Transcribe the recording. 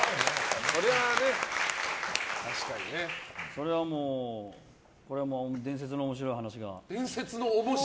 それはもう伝説の面白い話が。